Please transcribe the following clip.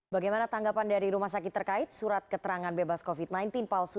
bagaimana tanggapan dari rumah sakit terkait surat keterangan bebas covid sembilan belas palsu